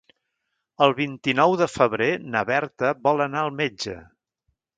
El vint-i-nou de febrer na Berta vol anar al metge.